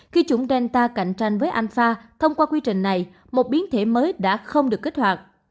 khi chủng delta cạnh tranh với alpha thông qua quy trình này một biến thể mới đã không được kết hoạt